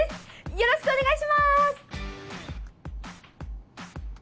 よろしくお願いします！